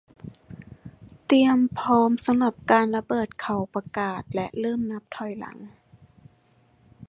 เตรียมพร้อมสำหรับการระเบิดเขาประกาศและเริ่มนับถอยหลัง